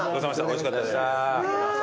おいしかったです。